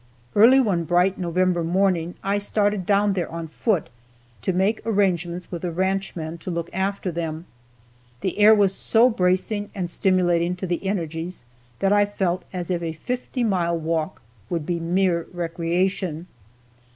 Early one bright November morning I started down there on foot to make arrangements with a ranchman to look after them. The air was so bracing and stimulating to the energies that I felt as if a fifty mile walk would be mere recreation.